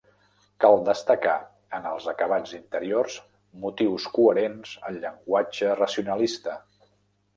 Cal destacar en els acabats interiors motius coherents al llenguatge racionalista.